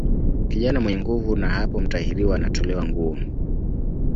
Kijana mwenye nguvu na hapo mtahiriwa anatolewa nguo